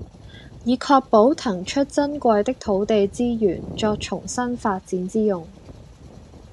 以確保騰出珍貴的土地資源作重新發展之用